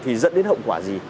thì dẫn đến hậu quả gì